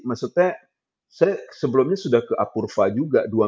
maksudnya saya sebelumnya sudah ke apurva juga